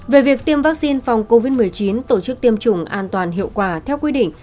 về việc tiêm vaccine phòng covid một mươi chín tổ chức tiêm chủng an toàn hiệu quả theo quy định